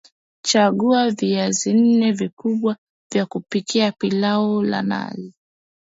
Chagua viazi nne vikubwa vya kupika pilau la viazi